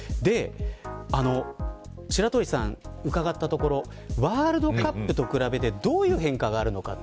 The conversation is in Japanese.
白鳥さんに伺ったところワールドカップと比べてどういう変化があるのか。